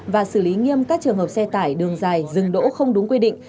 và xử lý nghiêm các trường hợp xe tải đường dài dừng đỗ không đúng quy định